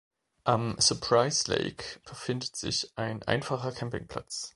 Am Surprise Lake befindet sich ein einfacher Campingplatz.